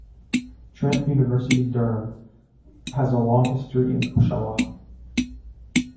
Trent University Durham has a long history in Oshawa.